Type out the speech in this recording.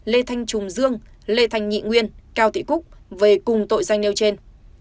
lê thanh trùng dương lê thanh nhị nguyên cao thị cúc về cùng tội danh nêu trên